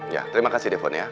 ya terima kasih defon ya